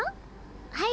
はい。